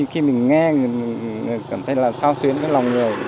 khi mình nghe mình cảm thấy là sao xuyến với lòng người